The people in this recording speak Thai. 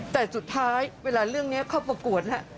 แต่สุดท้ายเวลาเรื่องนี้เข้าประกวดฮะ